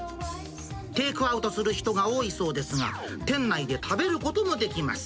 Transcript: テイクアウトする人が多いそうですが、店内で食べることもできます。